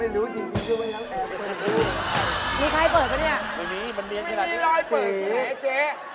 ละ